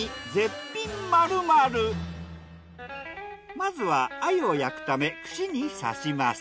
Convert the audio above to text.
まずは鮎を焼くため串に刺します。